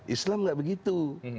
islam tidak begitu